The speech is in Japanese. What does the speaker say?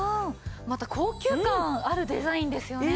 また高級感あるデザインですよね。